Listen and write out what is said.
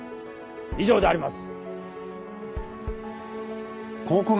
以上であります。